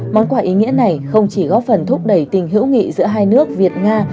món quà ý nghĩa này không chỉ góp phần thúc đẩy tình hữu nghị giữa hai nước việt nga